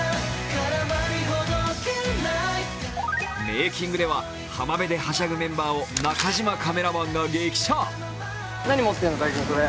メーキングでは浜辺ではしゃぐメンバーを中島カメラマンが激写。